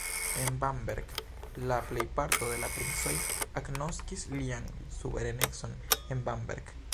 En Bamberg la plejparto de la princoj agnoskis lian suverenecon en Bamberg.